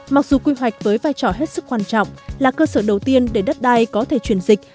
mặc dù quy hoạch với vai trò hết sức quan trọng là cơ sở đầu tiên để đất đai có thể chuyển dịch